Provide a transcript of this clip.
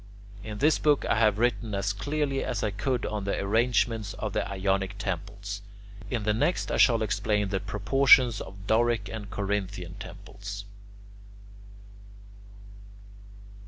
In this book I have written as clearly as I could on the arrangements of Ionic temples. In the next I shall explain the proportions of Doric and Corinthian temples.